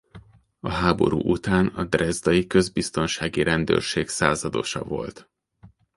A háború után a drezdai közbiztonsági rendőrség századosa volt.